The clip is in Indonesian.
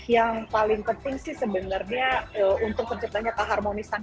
yang paling penting sih sebenarnya untuk terciptanya keharmonisan